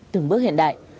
từng bước hiện đại